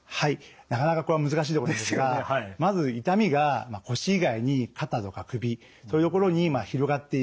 なかなかこれは難しいところですがまず痛みが腰以外に肩とか首そういう所に広がっている。